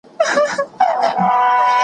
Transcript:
زما د مورکۍ د الاهو ماته آشنا کلی دی .